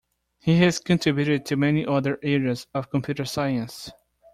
He has contributed to many other areas of computer science.